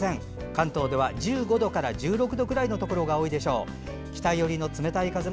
関東では１５度から１６度くらいのところが多いでしょう。